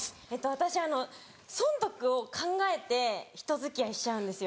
私損得を考えて人付き合いしちゃうんですよ。